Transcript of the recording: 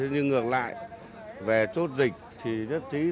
nhưng ngược lại về chốt dịch thì rất chí